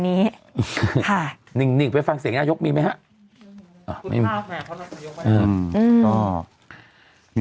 มีคนส่งทวิตเตอร์มาเยอะใช่ไหมคะ